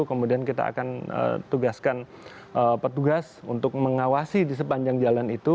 kemudian kita akan tugaskan petugas untuk mengawasi di sepanjang jalan itu